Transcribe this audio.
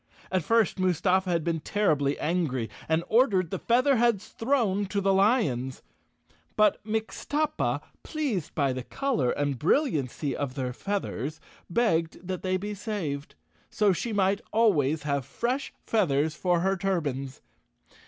At first Mustafa had been terribly angry and ordered the Featherheads thrown to the lions. But Mixtuppa, pleased by the color and bril¬ liancy of their feathers, begged that they be saved, so she might always have fresh feathers for her turbans.